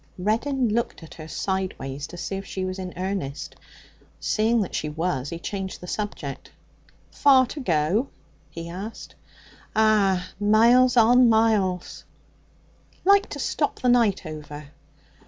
Reddin looked at her sideways to see if she was in earnest. Seeing that she was, he changed the subject. 'Far to go?' he asked. 'Ah! miles on miles.' 'Like to stop the night over?'